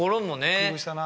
工夫したな。